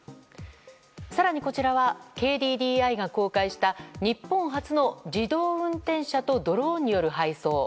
更にこちらはＫＤＤＩが公開した日本初の自動運転車とドローンによる配送。